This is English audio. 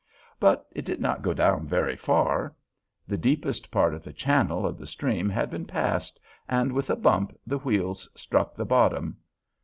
But it did not go down very far. The deepest part of the channel of the stream had been passed, and with a bump the wheels struck the bottom.